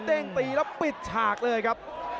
เด้งตีแล้วปิดฉากเลยครับ